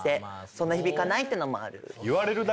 そんな響かないってのもある。